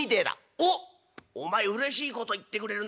「おっお前うれしいこと言ってくれるな。